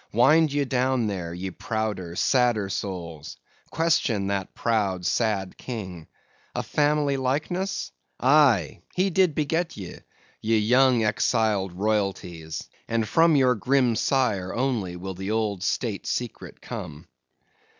Wind ye down there, ye prouder, sadder souls! question that proud, sad king! A family likeness! aye, he did beget ye, ye young exiled royalties; and from your grim sire only will the old State secret come.